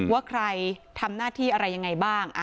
ว่าใครทำหน้าอย่างไรบ้าง